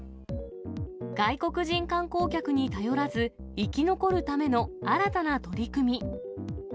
外国人観光客に頼らず、生き残るための新たな取り組み。